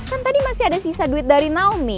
kan tadi masih ada sisa duit dari naomi